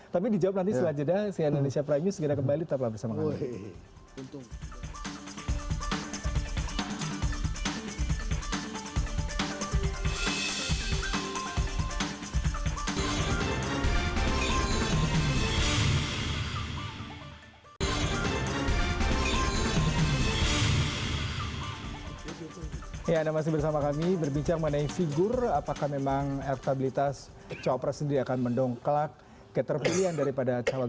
tapi dijawab nanti selanjutnya